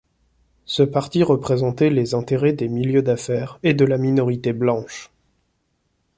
Ce parti représentait les intérêts des milieux d'affaires et de la minorité blanche.